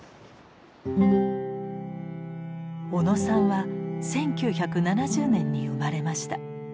小野さんは１９７０年に生まれました。